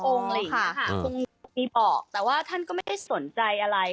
เลยค่ะคงมีบอกแต่ว่าท่านก็ไม่ได้สนใจอะไร